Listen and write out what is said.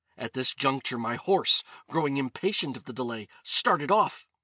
At this juncture my horse, growing impatient of the delay, started off.